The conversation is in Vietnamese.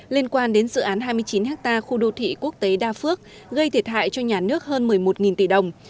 liên quan đến dự án hai mươi chín ha khu đô thị quốc tế đa phước gây thiệt hại cho nhà nước hơn một mươi một tỷ đồng